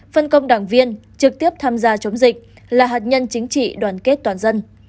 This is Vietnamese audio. phân công đảng viên trực tiếp tham gia chống dịch là hạt nhân chính trị đoàn kết toàn dân